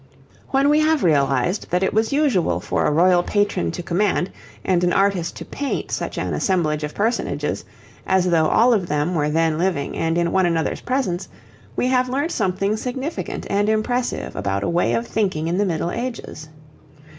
When we have realized that it was usual for a royal patron to command and an artist to paint such an assemblage of personages, as though all of them were then living and in one another's presence, we have learnt something significant and impressive about a way of thinking in the Middle Ages.